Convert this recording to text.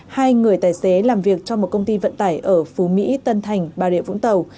hai người tài xế làm việc trong một công ty vận tải ở phú mỹ tân thành bà rịa vũng tàu